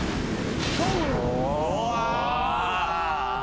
うわ！